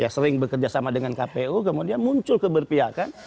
sering bekerja sama dengan kpu kemudian muncul keberpihakan